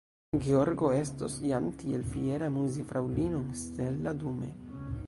Georgo estos jam tiel fiera amuzi fraŭlinon Stella dume.